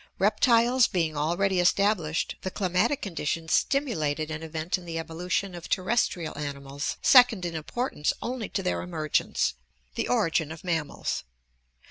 Reptiles being already established, the climatic conditions stimu lated an event in the evolution of terrestrial animals second in importance only to their emergence: the origin of mammals.